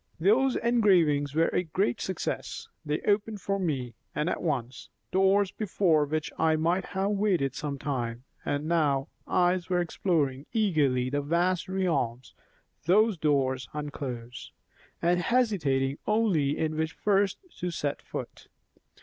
Those engravings were a great success; they opened for me, and at once, doors before which I might have waited some time; and now, eyes are exploring eagerly the vast realms those doors unclose, and hesitating only in which first to set foot.